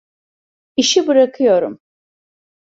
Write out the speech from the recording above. İşi bırakıyorum.